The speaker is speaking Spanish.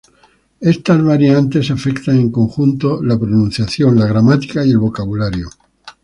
Estas variantes afectan en conjunto la pronunciación, la gramática y el vocabulario.